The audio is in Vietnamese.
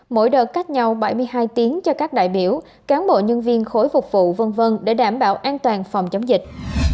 mỗi đợt cách nhau bảy mươi hai tiếng cho các đại biểu cán bộ nhân viên khối phục vụ v v để đảm bảo an toàn phòng chống dịch